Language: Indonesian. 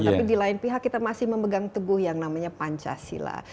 tapi di lain pihak kita masih memegang teguh yang namanya pancasila